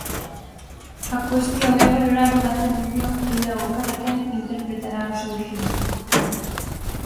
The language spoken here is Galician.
A cuestión é valorar unha tradición que logo cadaquén interpretará ao seu xeito.